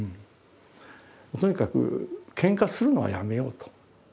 とにかくけんかするのはやめようと。